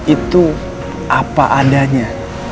itu apa adanya